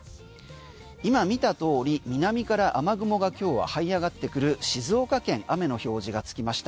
今見た通り南から雨雲が今日ははい上がってくる静岡県雨の表示がつきました。